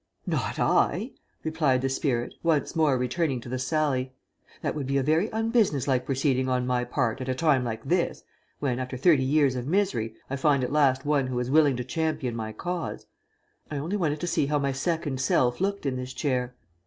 "Not I!" replied the spirit, once more returning to the Sallie. "That would be a very unbusiness like proceeding on my part at a time like this, when, after thirty years of misery, I find at last one who is willing to champion my cause. I only wanted to see how my second self looked in this chair.